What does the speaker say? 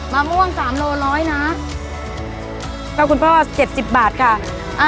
มะม่วง๓โลร้อยนะก็คุณพ่อเจ็ดสิบบาทค่ะ